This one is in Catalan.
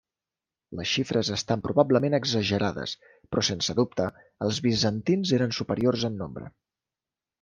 Les xifres estan probablement exagerades, però sense dubte els bizantins eren superiors en nombre.